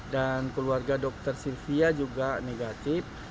dan keluarga dokter silvia juga negatif